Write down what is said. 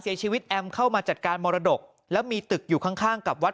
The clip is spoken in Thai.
เสียชีวิตแอมเข้ามาจัดการมรดกแล้วมีตึกอยู่ข้างกับวัด